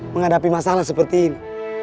menghadapi masalah seperti ini